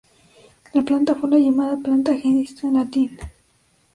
La planta fue la llamada planta genista en latín.